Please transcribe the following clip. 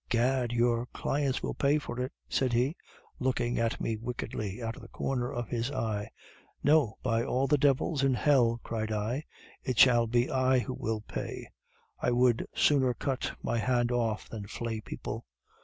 "'Gad! your clients will pay for it!' said he, looking at me wickedly out of the corner of his eyes. "'No, by all the devils in hell!' cried I, 'it shall be I who will pay. I would sooner cut my hand off than flay people.